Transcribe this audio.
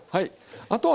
あとはね